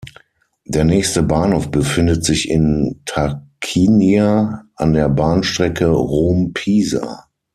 Der nächste Bahnhof befindet sich in Tarquinia an der Bahnstrecke Rom-Pisa.